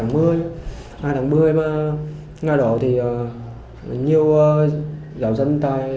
ngày hai tháng một mươi mà ngày đó thì nhiều giáo dân